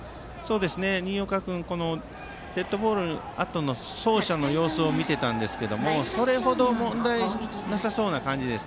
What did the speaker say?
新岡君のデッドボールのあとの走者としての様子を見ていましたがそれほど問題なさそうな感じです。